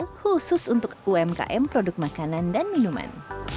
kedua pos blok khusus untuk umkm produk makanan dan minuman